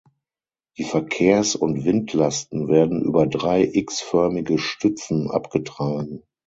Die Verkehrs- und Windlasten werden über drei X-förmige Stützen abgetragen.